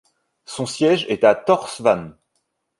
Son siège est à Tórshavn.